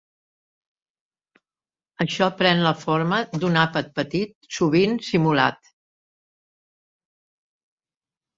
Això pren la forma d'un àpat petit, sovint simulat.